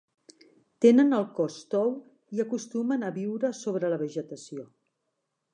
Tenen el cos tou i acostumen a viure sobre la vegetació.